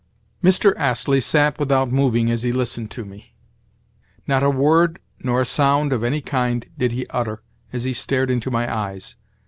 Mr. Astley sat without moving as he listened to me. Not a word nor a sound of any kind did he utter as he stared into my eyes.